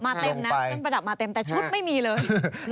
เต็มนะเส้นประดับมาเต็มแต่ชุดไม่มีเลย